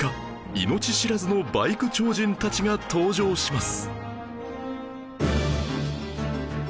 命知らずのバイク超人たちが登場します